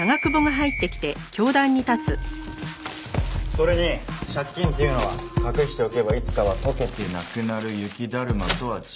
それに借金っていうのは隠しておけばいつかは解けてなくなる雪だるまとは違う。